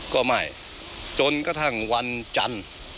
ก็ไม่จนกระทั่งวันจันทร์